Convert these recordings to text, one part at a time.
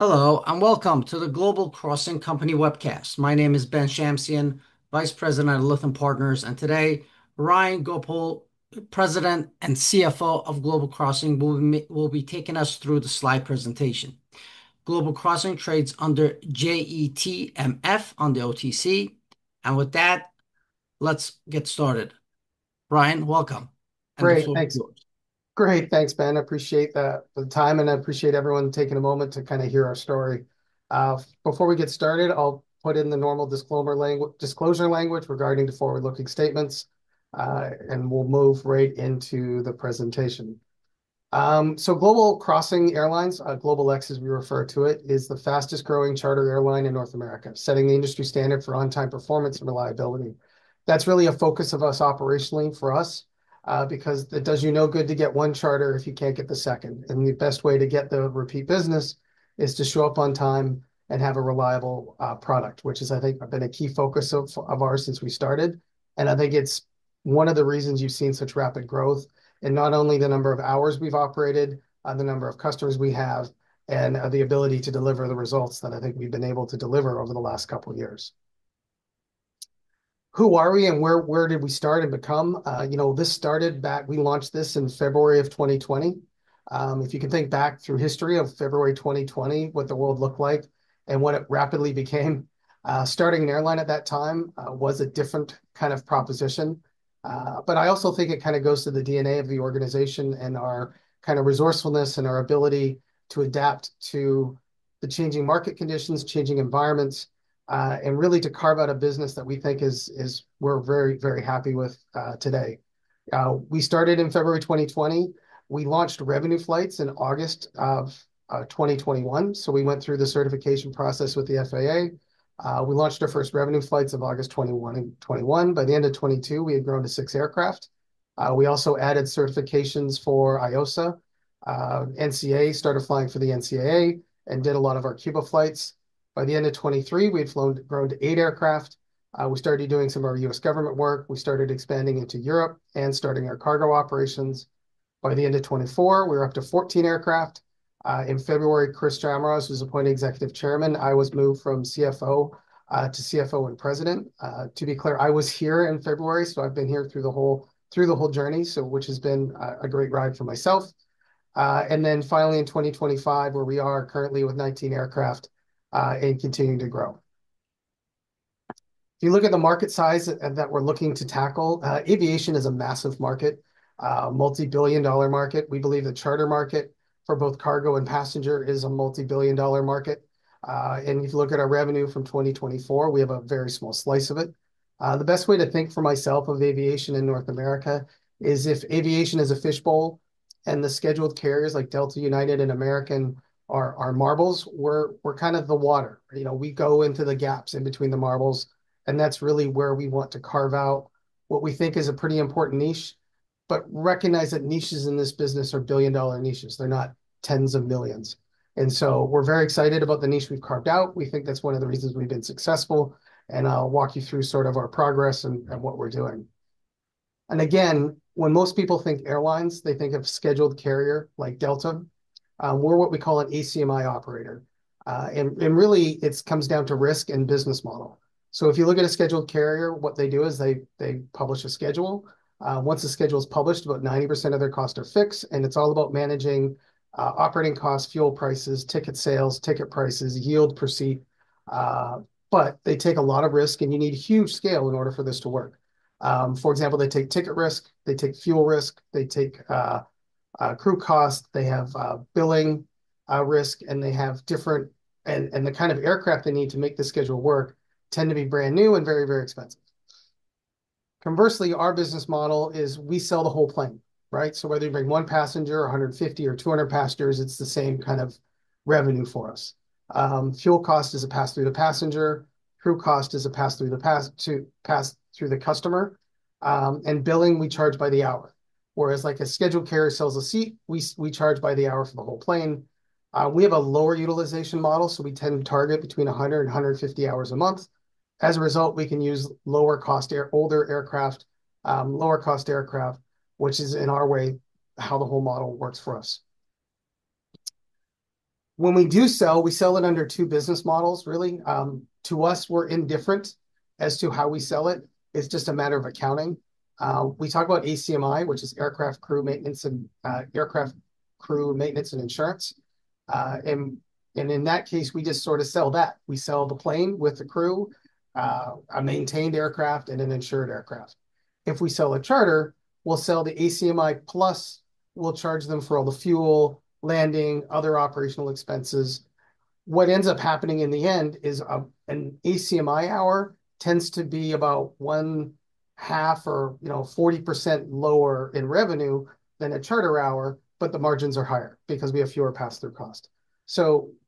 Hello and welcome to the Global Crossing Company webcast. My name is Ben Shamsian, Vice President at Lytham Partners, and today Ryan Goepel, President and CFO of Global Crossing will be taking us through the slide presentation. Global Crossing trades under JETMF on the OTC, and with that, let's get started. Ryan, welcome. Great, thanks, Ben. I appreciate the time and I appreciate everyone taking a moment to kind of hear our story. Before we get started, I'll put in the normal disclosure language regarding the forward-looking statements, and we'll move right into the presentation. Global Crossing Airlines, GlobalX as we refer to it, is the fastest growing charter airline in North America, setting the industry standard for on-time performance and reliability. That's really a focus of ours operationally, because it does you no good to get one charter if you can't get the second. The best way to get the repeat business is to show up on time and have a reliable product, which is, I think, been a key focus of ours since we started. I think it's one of the reasons you've seen such rapid growth in not only the number of hours we've operated, the number of customers we have, and the ability to deliver the results that I think we've been able to deliver over the last couple of years. Who are we and where did we start and become? This started back, we launched this in February of 2020. If you could think back through history of February 2020, what the world looked like and what it rapidly became. Starting an airline at that time was a different kind of proposition. I also think it kind of goes to the DNA of the organization and our kind of resourcefulness and our ability to adapt to the changing market conditions, changing environments, and really to carve out a business that we think is we're very, very happy with today. We started in February 2020. We launched revenue flights in August of 2021. We went through the certification process with the FAA. We launched our first revenue flights in August 2021. By the end of 2022, we had grown to six aircraft. We also added certifications for IOSA, NCAA, started flying for the NCAA, and did a lot of our Cuba flights. By the end of 2023, we'd grown to eight aircraft. We started doing some of our U.S. government work. We started expanding into Europe and starting our cargo operations. By the end of 2024, we were up to 14 aircraft. In February, Chris Jamroz was appointed Executive Chairman. I was moved from CFO to CFO and President. To be clear, I was here in February, so I've been here through the whole journey, which has been a great ride for myself. Finally, in 2025, where we are currently with 19 aircraft and continuing to grow. If you look at the market size that we're looking to tackle, aviation is a massive market, a multi-billion-dollar market. We believe the charter market for both cargo and passenger is a multi-billion-dollar market. If you look at our revenue from 2024, we have a very small slice of it. The best way to think for myself of aviation in North America is if aviation is a fishbowl and the scheduled carriers like Delta, United, and American are marbles, we're kind of the water. We go into the gaps in between the marbles, and that's really where we want to carve out what we think is a pretty important niche, but recognize that niches in this business are billion-dollar niches. They're not tens of millions. We are very excited about the niche we've carved out. We think that's one of the reasons we've been successful, and I'll walk you through sort of our progress and what we're doing. When most people think airlines, they think of scheduled carrier like Delta. We're what we call an ACMI operator. It comes down to risk and business model. If you look at a scheduled carrier, what they do is they publish a schedule. Once the schedule is published, about 90% of their costs are fixed, and it's all about managing operating costs, fuel prices, ticket sales, ticket prices, yield proceed. They take a lot of risk, and you need huge scale in order for this to work. For example, they take ticket risk, they take fuel risk, they take crew cost, they have billing risk, and the kind of aircraft they need to make the schedule work tend to be brand new and very, very expensive. Conversely, our business model is we sell the whole plane, right? Whether you bring one passenger, 150, or 200 passengers, it's the same kind of revenue for us. Fuel cost is a pass through to the passenger, crew cost is a pass through to the customer, and billing we charge by the hour. Whereas a scheduled carrier sells a seat, we charge by the hour for the whole plane. We have a lower utilization model, so we tend to target between 100 and 150 hours a month. As a result, we can use lower cost, older aircraft, lower cost aircraft, which is in our way how the whole model works for us. When we do sell, we sell it under two business models, really. To us, we're indifferent as to how we sell it. It's just a matter of accounting. We talk about ACMI, which is aircraft, crew, maintenance, and insurance. In that case, we just sort of sell that. We sell the plane with the crew, a maintained aircraft, and an insured aircraft. If we sell a charter, we'll sell the ACMI plus, we'll charge them for all the fuel, landing, other operational expenses. What ends up happening in the end is an ACMI hour tends to be about 1/2 or 40% lower in revenue than a charter hour, but the margins are higher because we have fewer pass-through costs.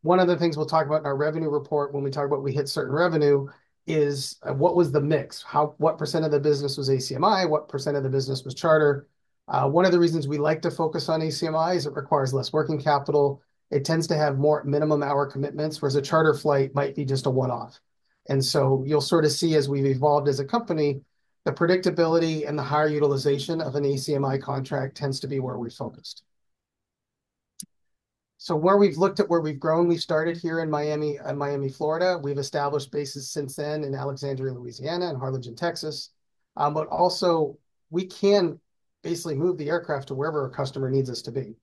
One of the things we'll talk about in our revenue report when we talk about we hit certain revenue is what was the mix? What percent of the business was ACMI? What percent of the business was charter? One of the reasons we like to focus on ACMI is it requires less working capital. It tends to have more minimum hour commitments, whereas a charter flight might be just a one-off. You'll sort of see as we've evolved as a company, the predictability and the higher utilization of an ACMI contract tends to be where we're focused. Where we've looked at where we've grown, we started here in Miami, Florida. We've established bases since then in Alexandria, Louisiana, and Harlingen, Texas. We can basically move the aircraft to wherever a customer needs us to be.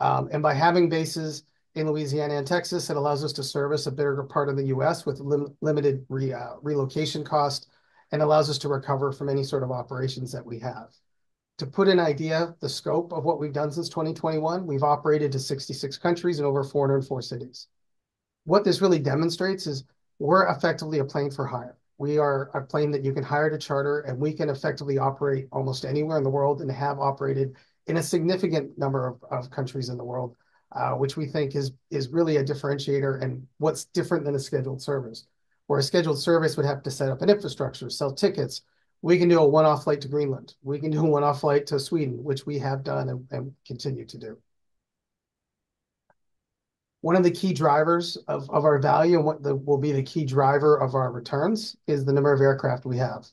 By having bases in Louisiana and Texas, it allows us to service a bigger part of the U.S. with limited relocation costs and allows us to recover from any sort of operations that we have. To put an idea, the scope of what we've done since 2021, we've operated to 66 countries and over 404 cities. What this really demonstrates is we're effectively a plane for hire. We are a plane that you can hire to charter, and we can effectively operate almost anywhere in the world and have operated in a significant number of countries in the world, which we think is really a differentiator and what's different than a scheduled service. Where a scheduled service would have to set up an infrastructure, sell tickets, we can do a one-off flight to Greenland. We can do a one-off flight to Sweden, which we have done and continue to do. One of the key drivers of our value and what will be the key driver of our returns is the number of aircraft we have.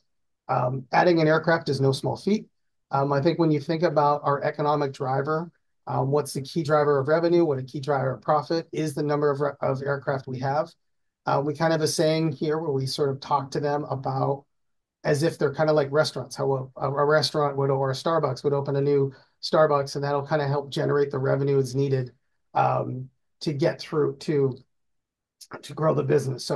Adding an aircraft is no small feat. I think when you think about our economic driver, what's the key driver of revenue, what a key driver of profit is the number of aircraft we have. We kind of have a saying here where we sort of talk to them about as if they're kind of like restaurants, how a restaurant would or a Starbucks would open a new Starbucks, and that'll kind of help generate the revenue that's needed to get through to grow the business.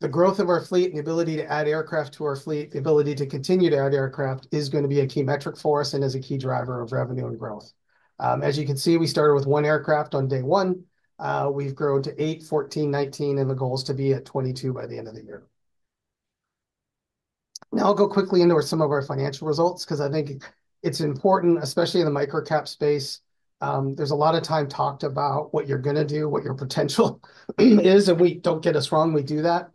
The growth of our fleet and the ability to add aircraft to our fleet, the ability to continue to add aircraft is going to be a key metric for us and is a key driver of revenue and growth. As you can see, we started with one aircraft on day one. We've grown to eight, 14, 19, and the goal is to be at 22 by the end of the year. I'll go quickly into some of our financial results because I think it's important, especially in the micro-cap space. There's a lot of time talked about what you're going to do, what your potential is, and don't get us wrong. We do that.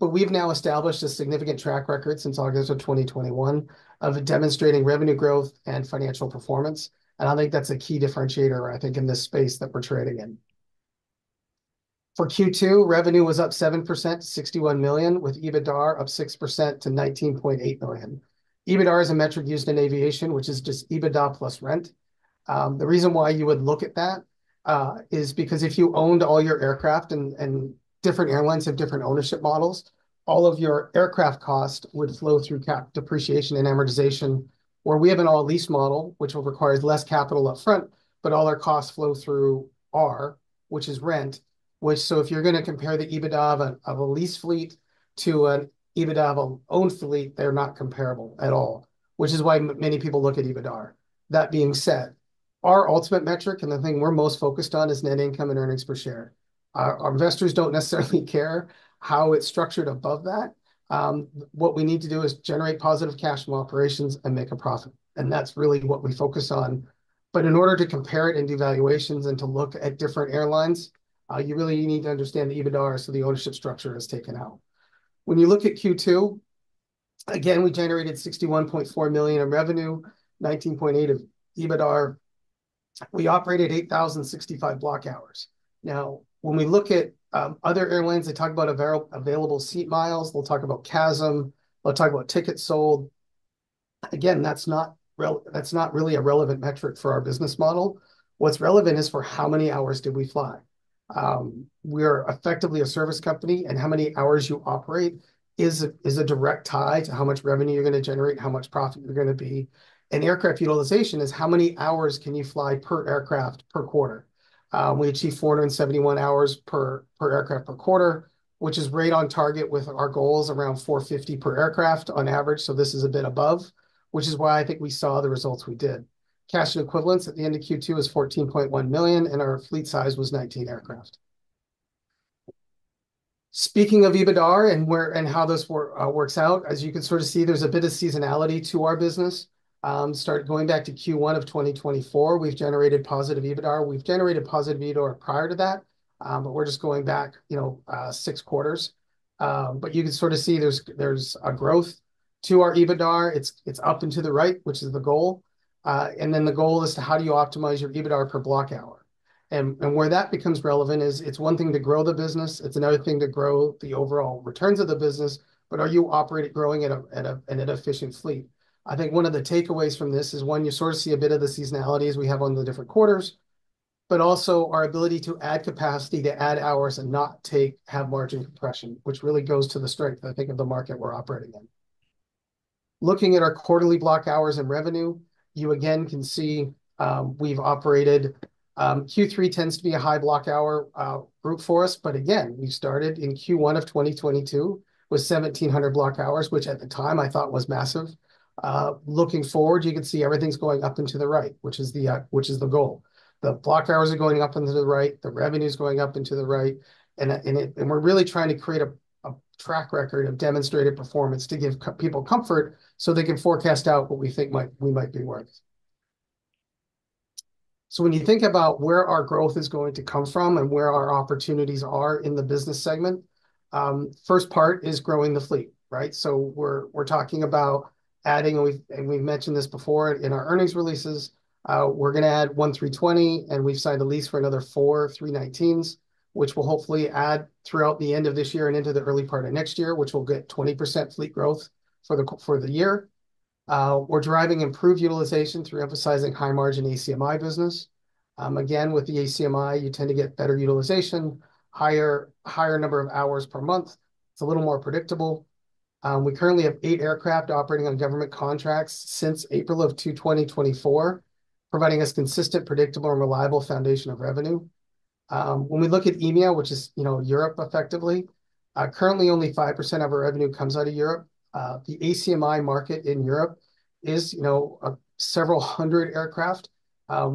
We've now established a significant track record since August of 2021 of demonstrating revenue growth and financial performance. I think that's a key differentiator, I think, in this space that we're trading in. For Q2, revenue was up 7% to $61 million, with EBITDA up 6% to $19.8 million. EBITDA is a metric used in aviation, which is just EBITDA plus rent. The reason why you would look at that is because if you owned all your aircraft and different airlines have different ownership models, all of your aircraft costs would flow through cap depreciation and amortization, where we have an all-lease model, which requires less capital upfront, but all our costs flow through R, which is rent. If you're going to compare the EBITDA of a lease fleet to an EBITDA of an owned fleet, they're not comparable at all, which is why many people look at EBITDA. That being said, our ultimate metric and the thing we're most focused on is net income and earnings per share. Our investors don't necessarily care how it's structured above that. What we need to do is generate positive cash from operations and make a profit. That's really what we focus on. In order to compare it and do valuations and to look at different airlines, you really need to understand the EBITDA. The ownership structure is taken out. When you look at Q2, again, we generated $61.4 million in revenue, $19.8 million of EBITDA. We operated 8,065 block hours. When we look at other airlines, they talk about available seat miles. They'll talk about chasm. They'll talk about tickets sold. Again, that's not really a relevant metric for our business model. What's relevant is for how many hours did we fly. We are effectively a service company, and how many hours you operate is a direct tie to how much revenue you're going to generate and how much profit you're going to be. Aircraft utilization is how many hours can you fly per aircraft per quarter. We achieve 471 hours per aircraft per quarter, which is right on target with our goals around 450 per aircraft on average. This is a bit above, which is why I think we saw the results we did. Cash equivalence at the end of Q2 was $14.1 million, and our fleet size was 19 aircraft. Speaking of EBITDA and how this works out, as you can sort of see, there's a bit of seasonality to our business. Going back to Q1 of 2024, we've generated positive EBITDA. We've generated positive EBITDA prior to that, but we're just going back, you know, six quarters. You can sort of see there's a growth to our EBITDA. It's up and to the right, which is the goal. The goal is to how do you optimize your EBITDA per block hour. Where that becomes relevant is it's one thing to grow the business. It's another thing to grow the overall returns of the business. Are you growing in an efficient fleet? I think one of the takeaways from this is, one, you sort of see a bit of the seasonalities we have on the different quarters, but also our ability to add capacity, to add hours, and not have margin compression, which really goes to the strength, I think, of the market we're operating in. Looking at our quarterly block hours and revenue, you again can see we've operated Q3 tends to be a high block hour group for us. We started in Q1 of 2022 with 1,700 block hours, which at the time I thought was massive. Looking forward, you can see everything's going up and to the right, which is the goal. The block hours are going up and to the right. The revenue is going up and to the right. We're really trying to create a track record of demonstrated performance to give people comfort so they can forecast out what we think we might be worth. When you think about where our growth is going to come from and where our opportunities are in the business segment, the first part is growing the fleet. Right? We're talking about adding, and we've mentioned this before in our earnings releases, we're going to add one 320, and we've signed a lease for another four 319s, which will hopefully add throughout the end of this year and into the early part of next year, which will get 20% fleet growth for the year. We're driving improved utilization through emphasizing high margin ACMI business. With the ACMI, you tend to get better utilization, higher number of hours per month. It's a little more predictable. We currently have eight aircraft operating on government contracts since April of 2024, providing us consistent, predictable, and reliable foundation of revenue. When we look at EMEA, which is Europe effectively, currently only 5% of our revenue comes out of Europe. The ACMI market in Europe is several hundred aircraft.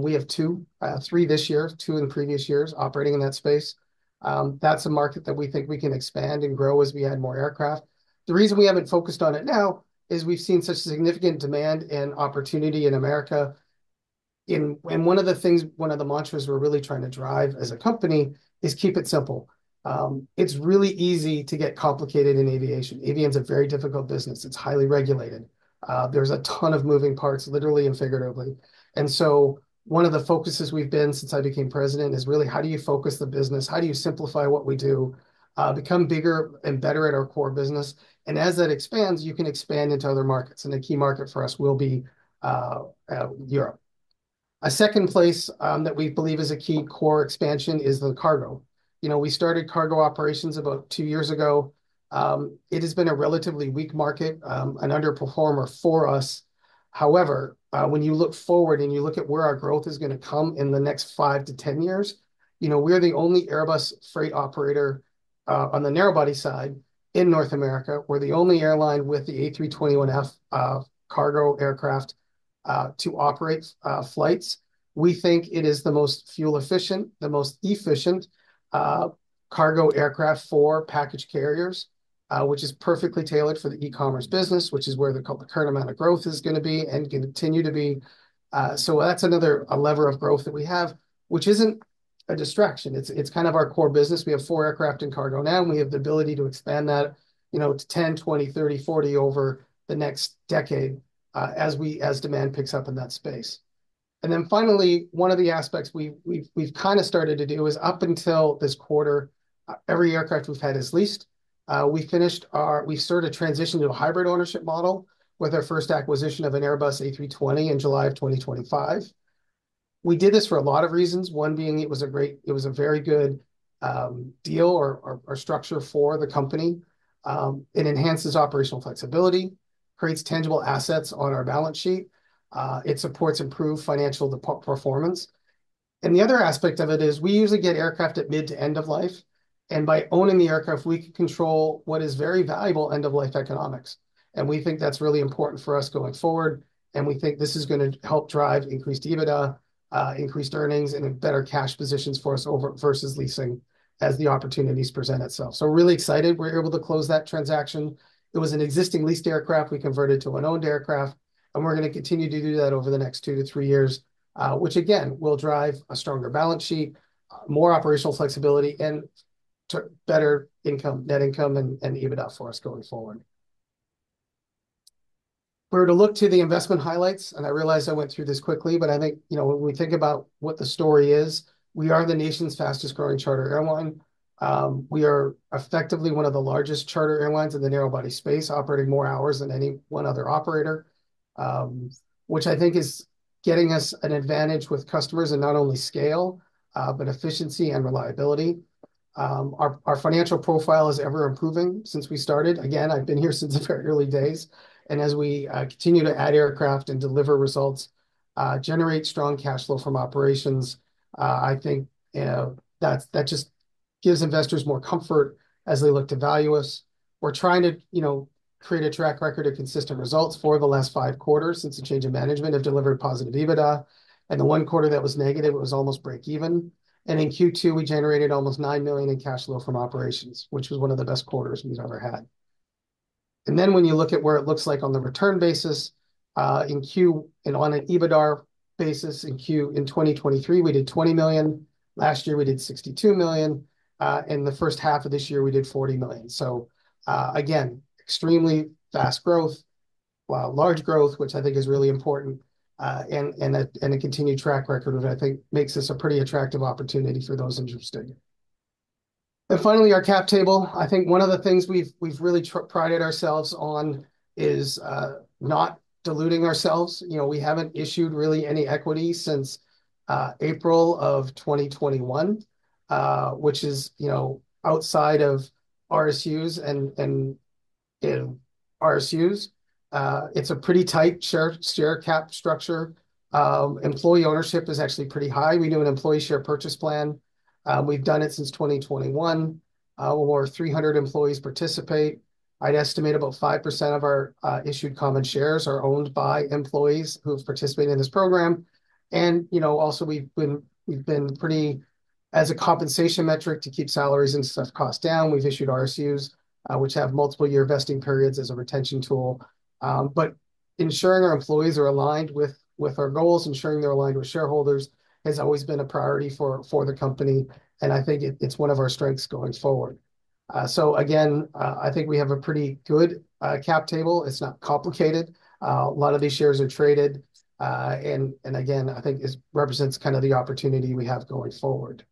We have two, three this year, two in the previous years operating in that space. That's a market that we think we can expand and grow as we add more aircraft. The reason we haven't focused on it now is we've seen such significant demand and opportunity in America. One of the things, one of the mantras we're really trying to drive as a company is keep it simple. It's really easy to get complicated in aviation. EMEA is a very difficult business. It's highly regulated. There's a ton of moving parts, literally and figuratively. One of the focuses we've been on since I became President is really how do you focus the business? How do you simplify what we do, become bigger and better at our core business? As that expands, you can expand into other markets. A key market for us will be Europe. A second place that we believe is a key core expansion is the cargo. We started cargo operations about two years ago. It has been a relatively weak market, an underperformer for us. However, when you look forward and you look at where our growth is going to come in the next five to 10 years, we're the only Airbus freight operator on the narrowbody side in North America. We're the only airline with the A321F cargo aircraft to operate flights. We think it is the most fuel-efficient, the most efficient cargo aircraft for package carriers, which is perfectly tailored for the e-commerce business, which is where the current amount of growth is going to be and continue to be. That's another lever of growth that we have, which isn't a distraction. It's kind of our core business. We have four aircraft in cargo now, and we have the ability to expand that to 10, 20, 30, 40 over the next decade as demand picks up in that space. Finally, one of the aspects we've kind of started to do is up until this quarter, every aircraft we've had is leased. We started a transition to a hybrid ownership structure with our first acquisition of an Airbus A320 in July of 2025. We did this for a lot of reasons. One being it was a very good deal or structure for the company. It enhances operational flexibility, creates tangible assets on our balance sheet, and supports improved financial performance. The other aspect of it is we usually get aircraft at mid to end of life, and by owning the aircraft, we can control what is very valuable end-of-life economics. We think that's really important for us going forward. We think this is going to help drive increased EBITDA, increased earnings, and better cash positions for us versus leasing as the opportunities present itself. Really excited we're able to close that transaction. It was an existing leased aircraft we converted to an owned aircraft, and we're going to continue to do that over the next two to three years, which again will drive a stronger balance sheet, more operational flexibility, and better income, net income, and EBITDA for us going forward. We're going to look to the investment highlights. I realize I went through this quickly, but I think when we think about what the story is, we are the nation's fastest growing charter airline. We are effectively one of the largest charter airlines in the narrowbody space, operating more hours than any one other operator, which I think is getting us an advantage with customers in not only scale, but efficiency and reliability. Our financial profile is ever-improving since we started. I've been here since the very early days, and as we continue to add aircraft and deliver results, generate strong cash flow from operations, I think that just gives investors more comfort as they look to value us. We're trying to create a track record of consistent results for the last five quarters since the change in management has delivered positive EBITDA. The one quarter that was negative, it was almost break-even. In Q2, we generated almost $9 million in cash flow from operations, which was one of the best quarters we've ever had. When you look at where it looks like on the return basis, in Q, and on an EBITDA basis, in Q, in 2023, we did $20 million. Last year, we did $62 million. In the first half of this year, we did $40 million. Extremely fast growth, large growth, which I think is really important. A continued track record of it, I think, makes this a pretty attractive opportunity for those interested. Finally, our cap table. I think one of the things we've really prided ourselves on is not diluting ourselves. We haven't issued really any equity since April of 2021, which is, outside of RSUs and RSUs. It's a pretty tight share cap structure. Employee ownership is actually pretty high. We do an employee share purchase plan. We've done it since 2021. Over 300 employees participate. I'd estimate about 5% of our issued common shares are owned by employees who've participated in this program. Also, we've been pretty, as a compensation metric, to keep salaries and such costs down. We've issued RSUs, which have multiple-year vesting periods as a retention tool. Ensuring our employees are aligned with our goals, ensuring they're aligned with shareholders, has always been a priority for the company. I think it's one of our strengths going forward. I think we have a pretty good cap table. It's not complicated. A lot of these shares are traded. I think it represents kind of the opportunity we have going forward.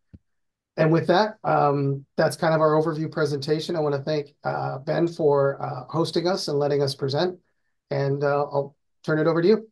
With that, that's kind of our overview presentation. I want to thank Ben for hosting us and letting us present. I'll turn it over to you.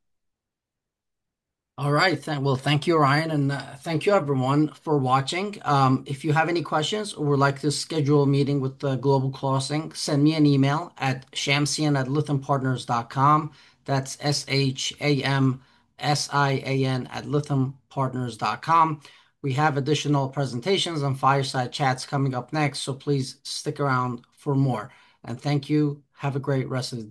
All right. Thank you, Ryan, and thank you, everyone, for watching. If you have any questions or would like to schedule a meeting with Global Crossing send me an email at shamsian@lythampartners.com. That's shamsian@lythampartners.com. We have additional presentations and fireside chats coming up next, so please stick around for more. Thank you. Have a great rest of the day.